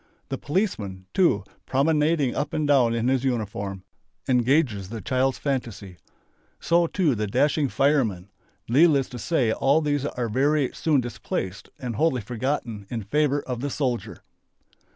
The "policeman" too, promenading up and down in his uniform, engages the child's fantasy. So too the dashing "fireman." Needless to say all these are very soon displaced and wholly forgotten in favour of the "soldier."